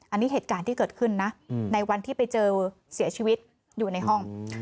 อันนี้เหตุการณ์ที่เกิดขึ้นนะในวันที่ไปเจอเสียชีวิตอยู่ในห้อง